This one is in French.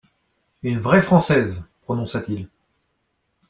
«Une vraie Française !» prononça-t-il.